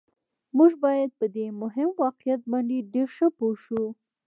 موږ باید په دې مهم واقعیت باندې ډېر ښه پوه شو